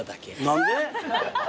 何で？